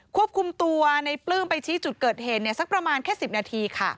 ควบคุมตัวในปลื้มไปชี้จุดเกิดเหตุสักประมาณแค่๑๐นาทีค่ะ